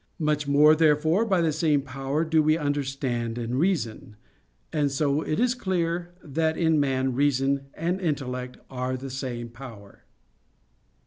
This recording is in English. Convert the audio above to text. Much more, therefore, by the same power do we understand and reason: and so it is clear that in man reason and intellect are the same power.